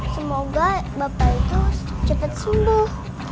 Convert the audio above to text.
semoga bapak itu cepat sembuh